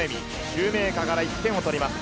シューメーカーから１点を取ります。